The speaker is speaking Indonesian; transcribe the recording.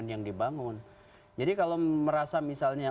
yang dibangun jadi kalau merasa misalnya